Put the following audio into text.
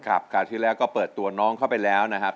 คราวที่แล้วก็เปิดตัวน้องเข้าไปแล้วนะครับ